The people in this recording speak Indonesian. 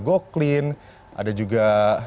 goclean ada juga